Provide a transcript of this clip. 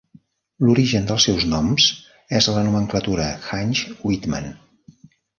L'origen dels seus noms és a la nomenclatura Hantzch-Widman.